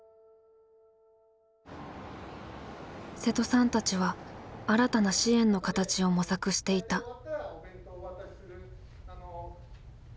瀬戸さんたちは新たな支援の形を模索していた。